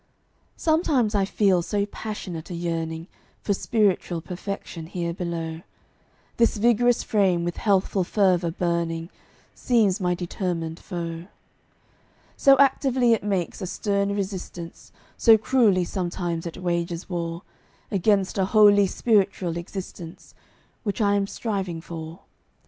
Sometimes I feel so passionate a yearning For spiritual perfection here below, This vigorous frame, with healthful fervor burning, Seems my determined foe, So actively it makes a stern resistance, So cruelly sometimes it wages war Against a wholly spiritual existence Which I am striving for.